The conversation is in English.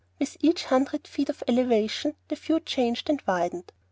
With each hundred feet of elevation, the view changed and widened.